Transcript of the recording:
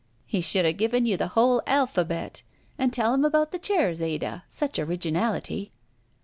"He should have given you the whole alpha^ bet. And tell him about the chairs, Ada. Sudi originality."